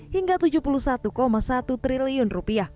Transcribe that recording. hingga rp tujuh puluh satu satu triliun